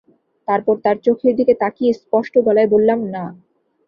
তারপর তার চোখের দিকে তাকিয়ে স্পষ্ট গলায় বললাম, না।